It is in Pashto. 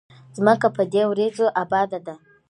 ځمکه په دې وريځو اباده ده